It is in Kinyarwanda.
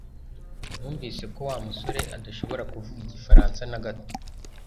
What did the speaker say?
Numvise ko Wa musore adashobora kuvuga igifaransa na gato